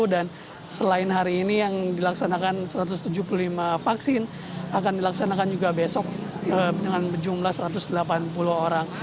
dan selain hari ini yang dilaksanakan satu ratus tujuh puluh lima vaksin akan dilaksanakan juga besok dengan jumlah satu ratus delapan puluh orang